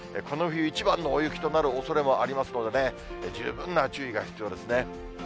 この冬一番の大雪となるおそれもありますのでね、十分な注意が必要ですね。